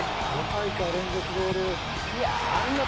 ５大会連続ゴール。